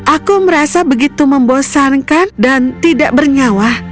aku merasa begitu membosankan dan tidak bernyawa